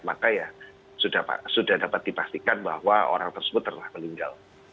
maka ya sudah dapat dipastikan bahwa orang tersebut telah meninggal